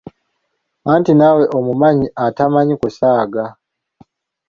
Anti naawe omumanyi atamanyi kusaaga!